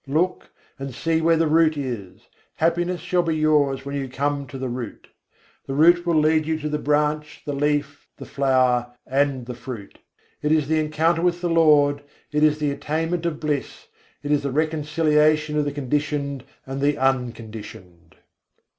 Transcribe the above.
Look, and see where the root is: happiness shall be yours when you come to the root. The root will lead you to the branch, the leaf, the flower, and the fruit: It is the encounter with the Lord, it is the attainment of bliss, it is the reconciliation of the Conditioned and the Unconditioned.